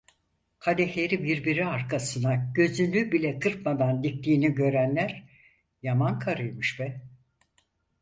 Kadehleri birbiri arkasına, gözünü bile kırpmadan diktiğini görenler: "Yaman karıymış be!"